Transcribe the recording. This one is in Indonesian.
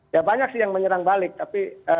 ya banyak sih yang menyerang balik tapi